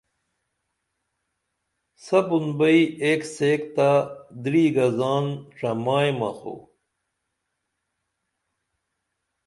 سپُن بئی ایک سیک تہ دریگا زان ڇمئیمہ خو